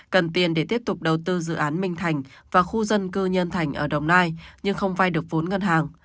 cần tiền để tiếp tục đầu tư dự án minh thành và khu dân cư nhân thành ở đồng nai nhưng không vay được vốn ngân hàng